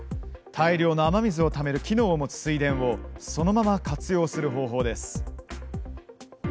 大量の雨水をためる機能を持つ水田をそのまま活用する方法です。